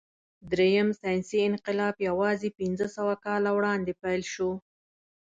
درېیم ساینسي انقلاب یواځې پنځهسوه کاله وړاندې پیل شو.